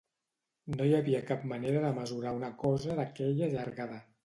No hi havia cap manera de mesurar una cosa d'aquella llargada.